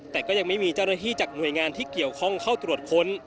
แต่ก็ยังไม่มีเจ้าหน้าที่จากหน่วยงานที่เกี่ยวข้องเข้าตรวจค้น